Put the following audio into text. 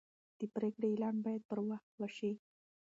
د پریکړې اعلان باید پر وخت وشي.